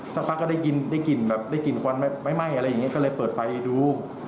สักพัดก็ได้กลิ่นแบบกลิ่นควันไหม้อะไรอย่างนี้ก็เลยเปิดไฟดู